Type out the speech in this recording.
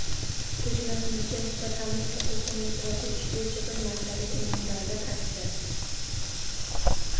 Koʼchmas mulkka nisbatan mulk huquqini eʼtirof etish boʼyicha bir martalik umumdavlat aktsiyasi